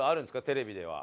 テレビでは。